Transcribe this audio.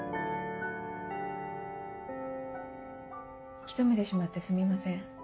引き留めてしまってすみません